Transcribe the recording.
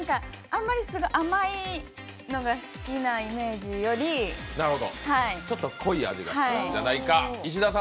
あんまり甘いのが好きなイメージよりなるほど、ちょっと濃い味が好きなんじゃないかと。